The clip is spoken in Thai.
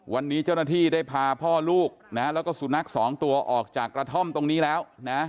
วันนี้เจ้าหน้าที่ได้พาพ่อลูกนะแล้วก็สุนัขสองตัวออกจากกระท่อมตรงนี้แล้วนะ